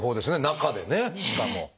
中でねしかも。